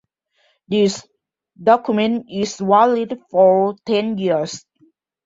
This document is valid for ten years.